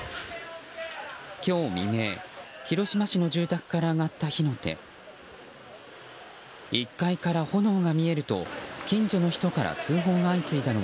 今日未明、広島市の住宅から上がった火の手。